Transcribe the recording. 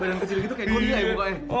badan kecil gitu kayak gurita ya bukanya